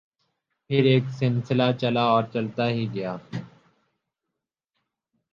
پھر ایک سلسلہ چلا اور چلتا ہی گیا۔